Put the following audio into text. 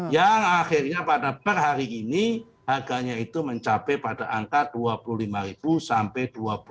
yang akhirnya pada per hari ini harganya itu mencapai pada angka dua puluh lima sampai dua puluh lima